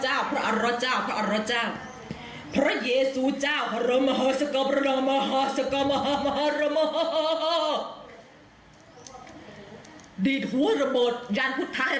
ใครที่สูงที่สุดในโลกรุ่นคือเราผู้ชายไม่ใช่เพราะผู้หญิงปกครอง